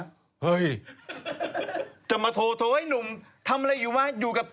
เราไปเยี่ยมหาถามสารทุกข์ถูกดิ